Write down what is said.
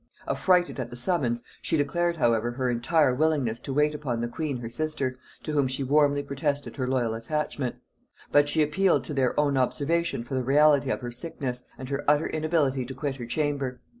Affrighted at the summons, she declared however her entire willingness to wait upon the queen her sister, to whom she warmly protested her loyal attachment; but she appealed to their own observation for the reality of her sickness, and her utter inability to quit her chamber.